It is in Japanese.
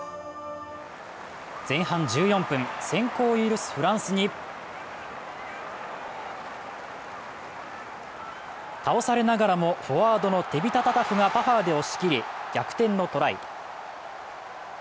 前半１４分、先行を許すフランスに倒されながらもフォワードのテビタ・タタフがパワーで押し切り、逆転のトライ。